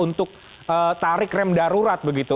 untuk tarik rem darurat begitu